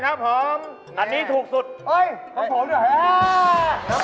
น้ำพริกเผาจะถูกสุดนะครับ